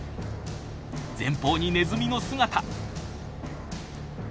前方にネズミの姿。